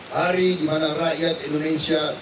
hari dimana rakyat indonesia